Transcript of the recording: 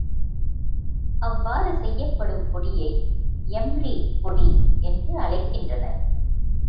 அவ்வாறு செய்யப்படும் பொடியை எம்ரி பொடி என்று அழைக்கின்றனர்.